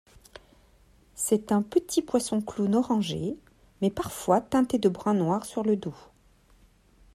C'est un petit poisson-clown orangé, mais parfois teinté de brun-noir sur le dos.